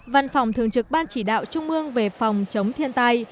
văn phòng thường trực ban chỉ đạo trung ương về phòng chống thiên tai